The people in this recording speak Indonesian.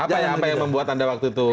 apa yang membuat anda waktu itu